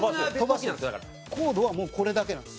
品川：コードはもう、これだけなんです。